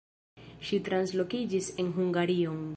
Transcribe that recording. Ŝi translokiĝis en Hungarion.